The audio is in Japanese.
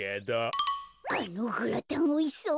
あのグラタンおいしそう！